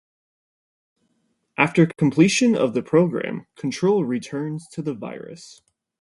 After completion of the program, control returns to the virus.